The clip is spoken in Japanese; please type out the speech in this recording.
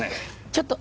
ちょっと。